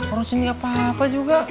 orang sini enggak apa apa juga